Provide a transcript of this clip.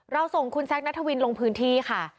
ส่งคุณแซคนัทวินลงพื้นที่ค่ะ